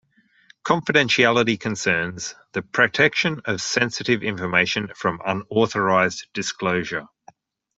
Confidentiality concerns the protection of sensitive information from unauthorised disclosure.